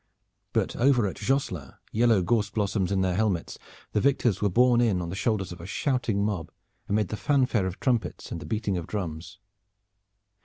But over at Josselin, yellow gorse blossoms in their helmets, the victors were borne in on the shoulders of a shouting mob, amid the fanfare of trumpets and the beating of drums.